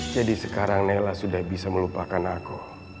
jadi sekarang nella sudah bisa melupakan aku